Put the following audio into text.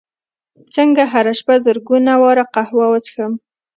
څنګه هره شپه زرګونه واره قهوه وڅښم